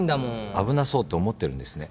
危なそうって思ってるんですね。